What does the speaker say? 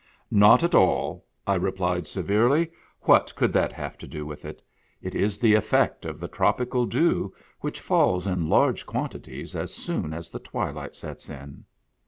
" Not at all," I replied severely ;" what could that have to do with it? It is the effect of the tropical dew, which falls in large quantities as soon as the twi light sets in."